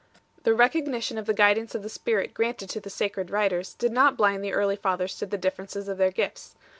The recognition of the guidance of the Spirit granted to the sacred writers did not blind the early Fathers to the differences of their gifts.